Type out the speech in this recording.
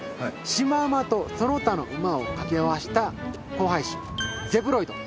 シマウマとその他のウマを掛け合わせた交配種ゼブロイド。